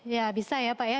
ya bisa ya pak ya